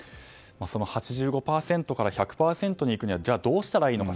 ８５％から１００％にいくにはどうしたらいいのか。